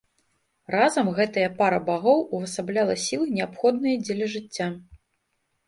Разам гэтая пара багоў увасабляла сілы, неабходныя дзеля жыцця.